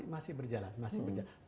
masih berjalan masih berjalan